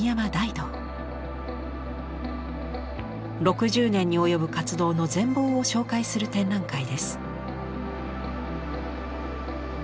６０年に及ぶ活動の全貌を紹介する展覧会です。